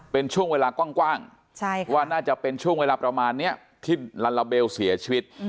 เป็นช่วงเวลากว้างว่าน่าจะเป็นช่วงเวลาประมาณนี้ที่ลัลลาเบลเสียชีวิต